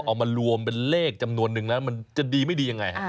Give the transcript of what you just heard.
เอามารวมเป็นเลขจำนวนนึงแล้วมันจะดีไม่ดียังไงฮะ